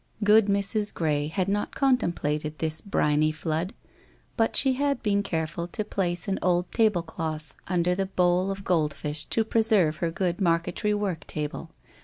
Good Mrs. Gray had not contemplated this briny flood, but she hail been careful to place an old tablecloth under 294 WHITE ROSE OF WEARY LEAF the bowl of gold fish to preserve her good marquetry work table.